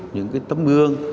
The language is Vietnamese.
những cái tấm gương